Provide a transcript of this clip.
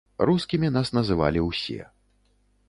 Рускімі нас называлі ўсе.